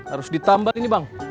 harus ditambah ini bang